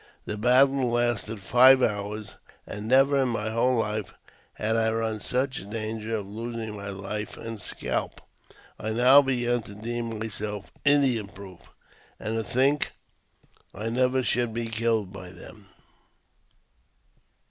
The battle lasted five hours, and never in my whole life had I run such danger of losing my life and scalp. I now began to deem myself Indian proof, and to think I never should be killed by them.